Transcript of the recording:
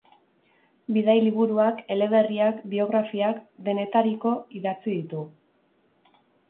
Bidai-liburuak, eleberriak, biografiak... denetariko idatzi ditu.